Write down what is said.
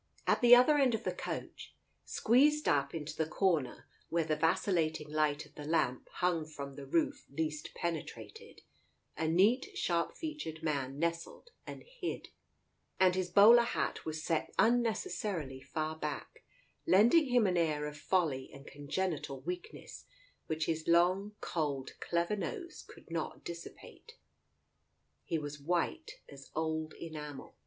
At the other end of the coach, squeezed up into the corner where the vacillating light of the lamp hung from the roof least penetrated, a neat, sharp featured man nestled and hid. His forehead retreated, and his bowler hat was set unnecessarily far back, lending him an air of folly and congenital weakness which his long, cold, clever nose could not dissipate. He was white as old enamel.